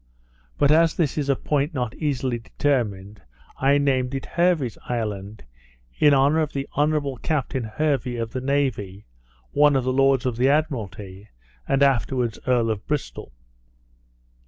But as this is a point not easily determined, I named it Hervey's Island, in honour of the Honourable Captain Hervey of the navy, one of the lords of the Admiralty, and afterwards Earl of Bristol.